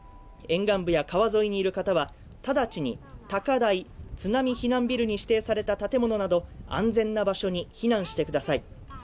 沿岸部や川沿いにいる方は直ちに高台、津波避難ビルに指定された建物など安全な場所に避難してください。